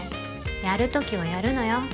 やるときはやるのよ。